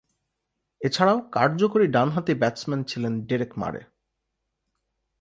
এছাড়াও কার্যকরী ডানহাতি ব্যাটসম্যান ছিলেন ডেরেক মারে।